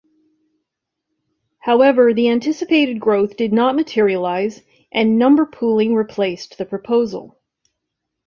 However, the anticipated growth did not materialize and number pooling replaced the proposal.